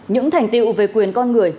những thành tiệu về quyền con người